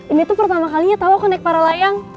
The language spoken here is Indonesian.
ini tuh pertama kalinya tau aku naik para layang